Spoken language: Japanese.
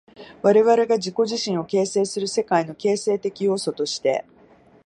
我々が自己自身を形成する世界の形成的要素として、